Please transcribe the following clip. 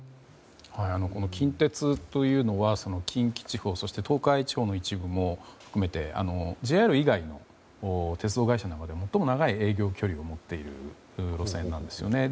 近鉄というのは近畿地方そして東海地方の一部も含めてＪＲ以外の鉄道会社の中で最も長い営業距離を持っている路線なんですよね。